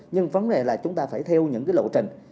nhưng vấn đề là chúng ta phải theo những cái lộ trình